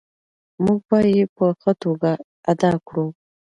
موږ به یې په ښه توګه ادا کړو.